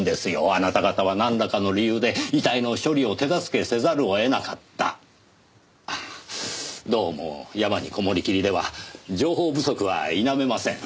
あなた方はなんらかの理由で遺体の処理を手助けせざるを得なかった。どうも山にこもりきりでは情報不足は否めません。